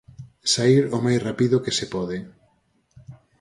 sair o máis rapido que se pode